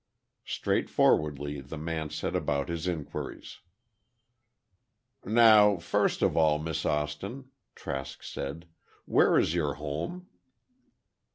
Straightforwardly the man set about his inquiries. "Now, first of all, Miss Austin," Trask said, "where is your home?"